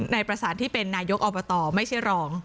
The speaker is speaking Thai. นายประสานที่เป็นนายกอบตไม่ใช่รอง